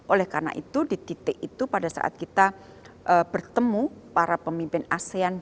oleh karena itu di titik itu pada saat kita bertemu para pemimpin asean